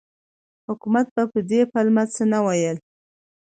حکومت به په دې پلمه څه نه ویل.